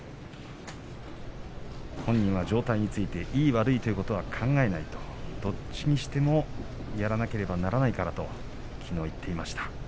本人は状態についていい悪いは考えないどっちにしてもやらなければならないからときのうを言っていました。